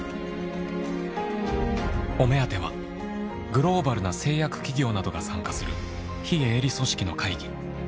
お目当てはグローバルな製薬企業などが参加する非営利組織の会議。